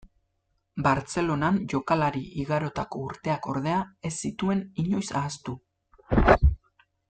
Bartzelonan jokalari igarotako urteak ordea, ez zituen inoiz ahaztu.